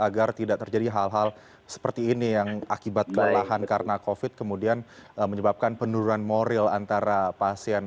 agar tidak terjadi hal hal seperti ini yang akibat kelelahan karena covid kemudian menyebabkan penurunan moral antara pasien